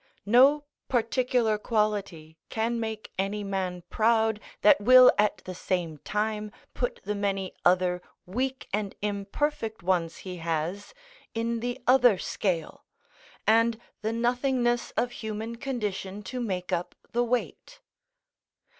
No particular quality can make any man proud, that will at the same time put the many other weak and imperfect ones he has in the other scale, and the nothingness of human condition to make up the weight.